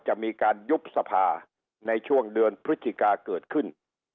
จะมีการยุบสภาในช่วงเดือนพฤศจิกาเกิดขึ้น